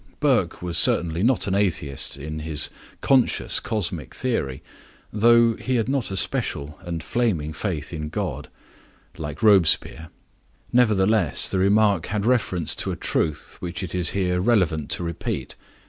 Burke was certainly not an atheist in his conscious cosmic theory, though he had not a special and flaming faith in God, like Robespierre. Nevertheless, the remark had reference to a truth which it is here relevant to repeat.